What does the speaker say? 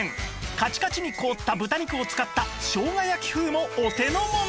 カチカチに凍った豚肉を使った生姜焼き風もお手のもの！